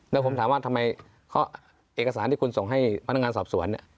แล้วผมถามว่าทำไมเอกสารที่คุณส่งให้พนักงานสอบสวนเนี่ย